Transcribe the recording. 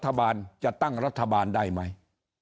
รัฐบาลจะตั้งรัฐบาลได้ไหม